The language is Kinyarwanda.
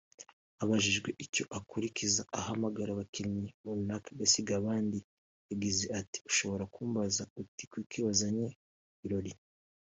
Abajijwe icyo akurikiza ahamagara abakinnyi runaka agasiga abandi yagize ati “Ushobora kumbaza uti kuki wazanye Birori